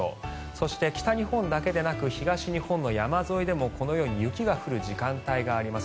そして北日本だけでなく東日本の山沿いでもこのように雪が降る時間帯があります。